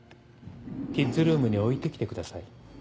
キッズルームに置いて来てください。